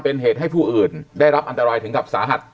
เป็นเหตุให้ผู้อื่นได้รับอันตรายถึงกับสาหัส